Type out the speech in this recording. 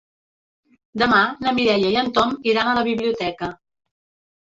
Demà na Mireia i en Tom iran a la biblioteca.